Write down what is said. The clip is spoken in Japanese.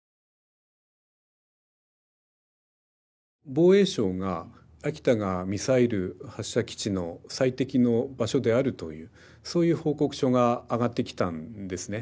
防衛省が秋田がミサイル発射基地の最適の場所であるというそういう報告書があがってきたんですね。